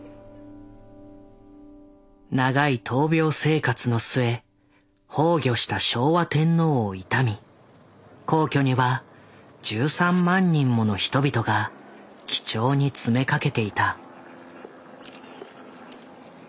長い闘病生活の末崩御した昭和天皇を悼み皇居には１３万人もの人々が記帳に詰めかけていた。